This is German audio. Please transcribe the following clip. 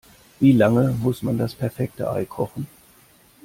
Wie lange muss man das perfekte Ei kochen?